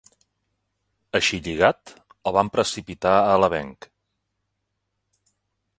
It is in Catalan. Així lligat, el van precipitar a l'avenc.